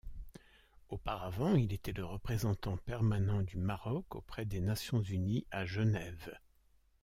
Auparavant, il était le représentant permanent du Maroc auprès des Nations unies à Genève.